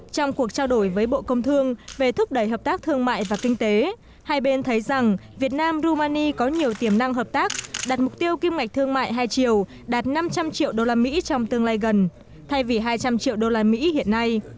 trong cuộc trao đổi với bộ công thương về thúc đẩy hợp tác thương mại và kinh tế hai bên thấy rằng việt nam romani có nhiều tiềm năng hợp tác đặt mục tiêu kim ngạch thương mại hai triệu đạt năm trăm linh triệu usd trong tương lai gần thay vì hai trăm linh triệu usd hiện nay